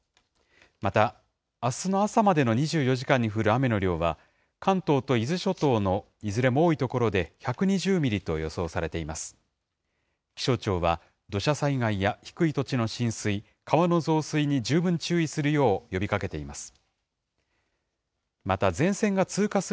またあすの朝までの２４時間に降る雨の量は、関東と伊豆諸島のいずれも多い所で１２０ミリと予想されています。